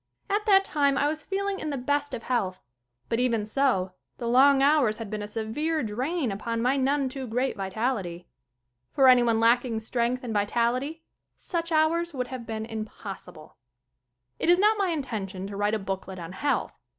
At that time I was feeling in the best of health but, even so, the long hours had been a severe drain upon my none too great vitality. For anyone lacking strength and vitality such hours would have been impossible. It is not my intention to write a booklet on health.